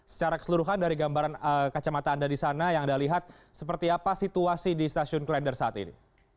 secara keseluruhan dari gambaran kacamata anda di sana yang anda lihat seperti apa situasi di stasiun klender saat ini